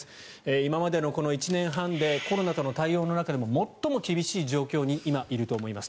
今までのこの１年半でコロナとの対応の中でも最も厳しい状況に今いると思います。